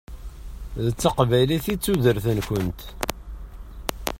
D taqbaylit i d tudert-nkent.